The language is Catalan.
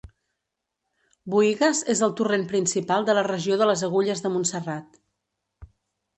Boïgues és el torrent principal de la regió de Les Agulles de Montserrat.